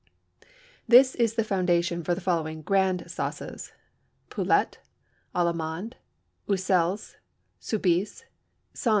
This is the foundation for the following "grand" sauces: Poulette, Allemande, Uxelles, Soubise, Ste.